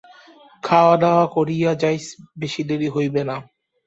খাওয়াদাওয়া করিয়া যাস, বেশি দেরি হইবে না।